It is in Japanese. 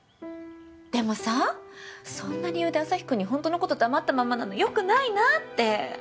でもさそんな理由でアサヒくんに本当の事黙ったまんまなの良くないなって。